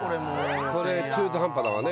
これ中途半端だわね。